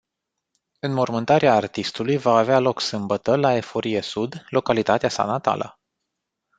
Înmormântarea artistului va avea loc sâmbătă, la Eforie Sud, localitatea sa natală.